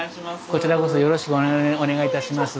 こちらこそよろしくお願いいたします。